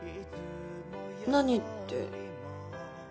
何って。